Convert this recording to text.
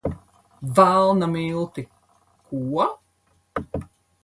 Velna milti! Ko?